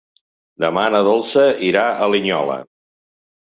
Demà na Dolça irà a Linyola.